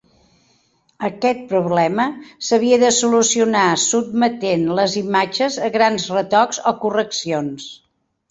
Aquest problema s'havia de solucionar sotmetent les imatges a grans retocs o correccions.